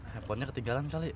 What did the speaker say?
teleponnya ketinggalan kali